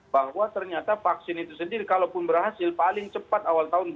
bahwa ternyata vaksin itu sendiri kalau pun berhasil paling cepat awal tahun dua ribu dua puluh satu